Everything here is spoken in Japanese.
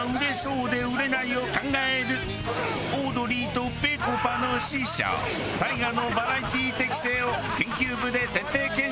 オードリーとぺこぱの師匠ＴＡＩＧＡのバラエティー適性を研究部で徹底検証！